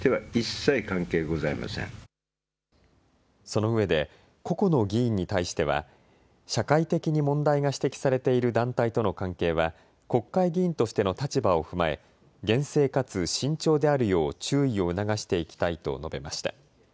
そのうえで個々の議員に対しては社会的に問題が指摘されている団体との関係は国会議員としての立場を踏まえ厳正かつ慎重であるよう注意を促していきたいと述べました。